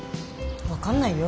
分かんないよ